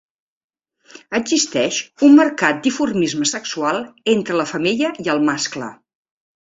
Existeix un marcat dimorfisme sexual entre la femella i el mascle.